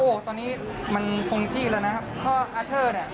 ตอนนี้มันคงที่แล้วนะครับเพราะอาเทอร์เนี่ย